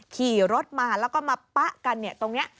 ขี่รถมาแล้วก็มาปะกันตรงนี้